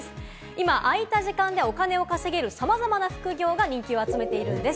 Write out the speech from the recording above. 今、空いた時間でお金を稼げるさまざまな副業が人気を集めているんです。